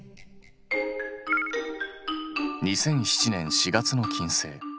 ２００７年４月の金星。